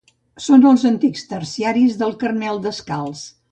Són els antics terciaris del Carmel Descalç.